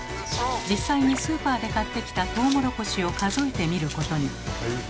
実際にスーパーで買ってきたトウモロコシを数えてみることに。